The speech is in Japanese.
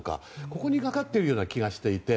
ここにかかっているような気がしていて。